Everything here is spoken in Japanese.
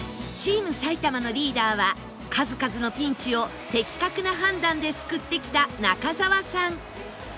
チーム埼玉のリーダーは数々のピンチを的確な判断で救ってきた中澤さん